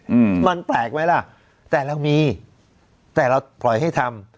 อืมมันแปลกไหมล่ะแต่เรามีแต่เราปล่อยให้ทำ